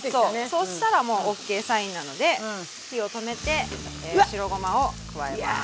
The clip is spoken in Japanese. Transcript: そうそしたらもうＯＫサインなので火を止めて白ごまを加えます。